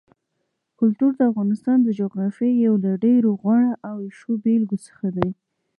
کلتور د افغانستان د جغرافیې یو له ډېرو غوره او ښو بېلګو څخه دی.